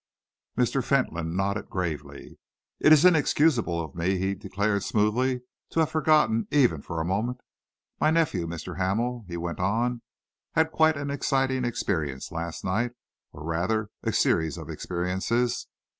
Mr. Fentolin nodded gravely. "It is inexcusable of me," he declared smoothly, "to have forgotten even for a moment. My nephew, Mr. Hamel," he went on, "had quite an exciting experience last night or rather a series of experiences.